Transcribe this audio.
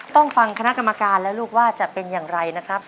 ต้องฟังคณะกรรมการแล้วลูกว่าจะเป็นอย่างไรนะครับ